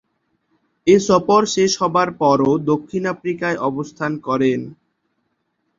এ সফর শেষ হবার পরও দক্ষিণ আফ্রিকায় অবস্থান করেন।